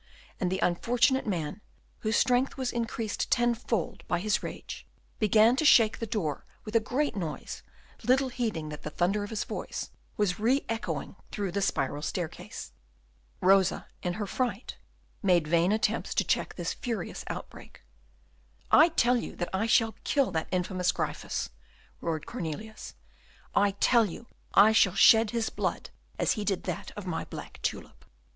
and the unfortunate man, whose strength was increased tenfold by his rage, began to shake the door with a great noise, little heeding that the thunder of his voice was re echoing through the spiral staircase. Rosa, in her fright, made vain attempts to check this furious outbreak. "I tell you that I shall kill that infamous Gryphus?" roared Cornelius. "I tell you I shall shed his blood as he did that of my black tulip."